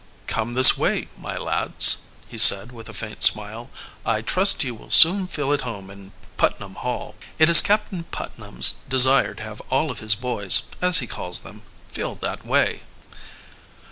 "Come this way, my lads," he said with a faint smile. "I trust you will soon feel at home in Putnam Hall. It is Captain Putnam's desire to have all of his boys, as he calls them, feel that way."